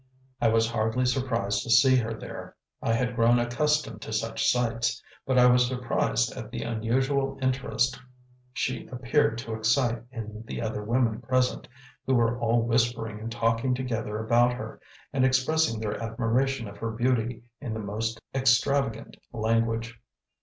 I was hardly surprised to see her there. I had grown accustomed to such sights. But I was surprised at the unusual interest she appeared to excite in the other women present, who were all whispering and talking together about her, and expressing their admiration of her beauty in the most extravagant language.